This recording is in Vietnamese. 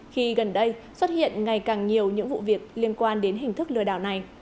khi gần đây xuất hiện ngày càng nhiều những vụ việc liên quan đến hình thức lừa đảo này